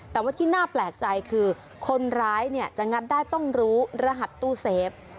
แต่ว่าที่น่าแปลกใจคือคนร้ายเนี่ยจะงัดได้ต้องรู้รหัสตู้เซฟ